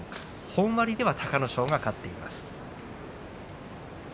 本割では隆の勝が勝っています。